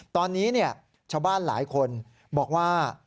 ตอนนี้เนี่ยเช่าบ้านหลายคนบอกว่า